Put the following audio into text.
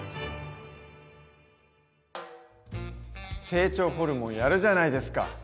成長ホルモンやるじゃないですか！